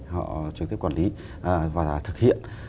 họ trực tiếp quản lý và thực hiện